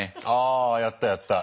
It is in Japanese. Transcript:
あやったやった。